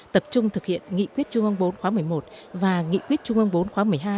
tập trung thực hiện nghị quyết trung ương bốn khóa một mươi một và nghị quyết trung ương bốn khóa một mươi hai